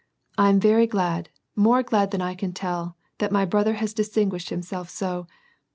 " I am very glad, more glad than I can tell, that my brother has distinguished himself so